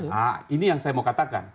nah ini yang saya mau katakan